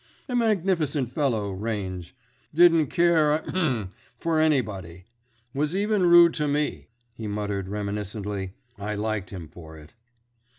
A magnificent fellow Range. Didn't care a—ahem! for anybody. Was even rude to me," he muttered reminiscently. "I liked him for it.